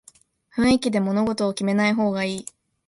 雰囲気で物事を決めない方がいい